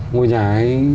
ngôi nhà ấy